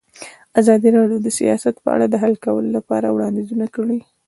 ازادي راډیو د سیاست په اړه د حل کولو لپاره وړاندیزونه کړي.